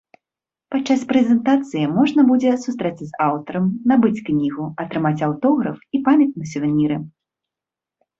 Падчас прэзентацыі можна будзе сустрэцца з аўтарам, набыць кнігу, атрымаць аўтограф і памятныя сувеніры.